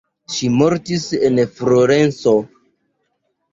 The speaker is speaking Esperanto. Ŝi mortis en Florenco.